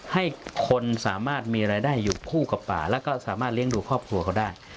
ให้คนสามารถมีรายได้อยู่คู่กับป่าแล้วก็สามารถเลี้ยงดูครอบครัวเขาได้